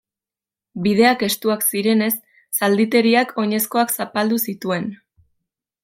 Bideak estuak zirenez, zalditeriak oinezkoak zapaldu zituen.